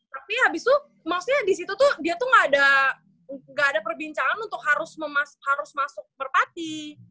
tapi habis itu maksudnya disitu tuh dia tuh gak ada perbincangan untuk harus masuk merpati